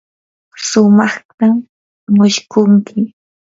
sumaqtam mushkunki.